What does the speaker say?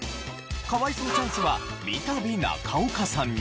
可哀想チャンスは三度中岡さんに。